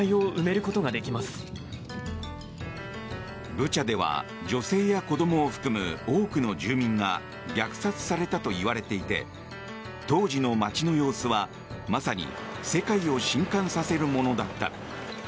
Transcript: ブチャでは女性や子供を含む多くの住民が虐殺されたといわれていて当時の街の様子は、まさに世界を震撼させるものだった。